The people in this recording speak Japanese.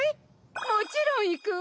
もちろん行くわ！